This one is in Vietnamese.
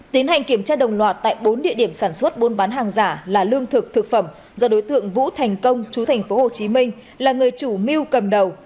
tiến hành kiểm tra đồng loạt tại bốn địa điểm sản xuất buôn bán hàng giả là lương thực thực phẩm do đối tượng vũ thành công chú thành phố hồ chí minh là người chủ miu cầm đầu